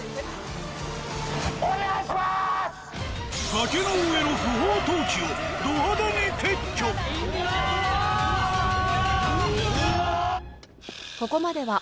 ［崖の上の不法投棄をど派手に撤去］うわーっ！